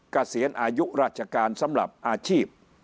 เกษียณอายุราชการสำหรับอาชีพ